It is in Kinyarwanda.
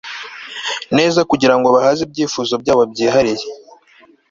neza kugira ngo bahaze ibyifuzo byabo byihariye